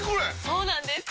そうなんです！